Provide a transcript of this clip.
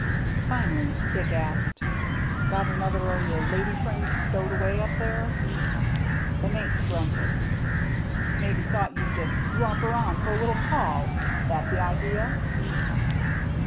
Finally Dick asked :— "Got another o' your lady friends stowed away up here?" The mate grunted. " Maybe you thought you'd just drop around for a little call. That the idea?"